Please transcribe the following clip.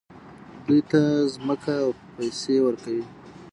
دوی ته ځمکه او پیسې ورکوي.